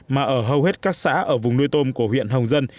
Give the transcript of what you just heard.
mà ở hầu hết các xã ở vùng nuôi tôm của huyện hồng dân